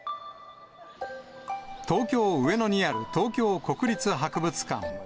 東京・上野にある東京国立博物館。